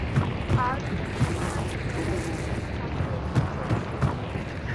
而中古汉语的微母通常被拟作此音。